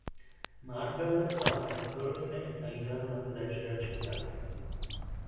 Marvel, Pat e Courtney aiutarono a proteggere la città.